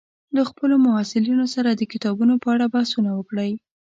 له خپلو محصلینو سره د کتابونو په اړه بحثونه وکړئ